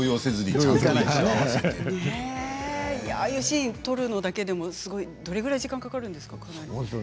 ああいうシーンを撮るだけでどのぐらい時間がかかるんですか。